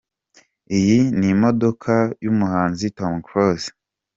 Iyi ni imodoka y'umuhanzi Tom Close.